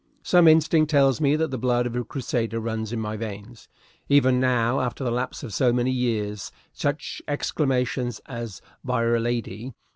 Some instinct tells me that the blood of a Crusader runs in my veins. Even now, after the lapse of so many years, such exclamations as "By'r Lady!"